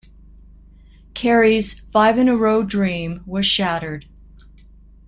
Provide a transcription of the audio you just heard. Kerry's five-in-a-row dream was shattered.